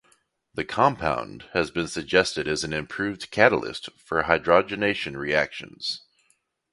The compound has been suggested as an improved catalyst for hydrogenation reactions.